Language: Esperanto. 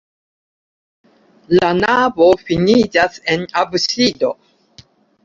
La navo finiĝas en absido.